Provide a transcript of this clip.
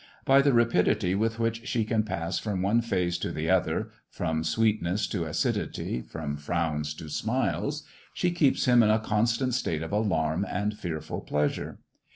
By the rapidity with which she can pass from one phase to the other — from sweetness to acidity, from frowns to smiles — she keeps him in a constant state of alarm and fearful pleasure.